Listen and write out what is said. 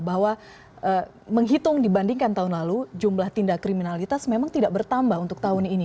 bahwa menghitung dibandingkan tahun lalu jumlah tindak kriminalitas memang tidak bertambah untuk tahun ini